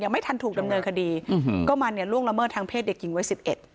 ไม่ทันถูกดำเนินคดีอืมก็มันเนี่ยล่วงละเมิดทางเพศเด็กหญิงวัยสิบเอ็ด